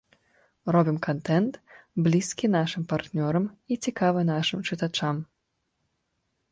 Робім кантэнт, блізкі нашым партнёрам і цікавы нашым чытачам.